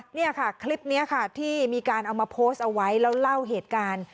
นี่ค่ะคลิปนี้ค่ะที่มีการเอามาโพสต์เอาไว้แล้วเล่าเหตุการณ์